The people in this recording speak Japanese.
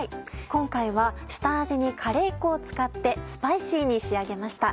今回は下味にカレー粉を使ってスパイシーに仕上げました。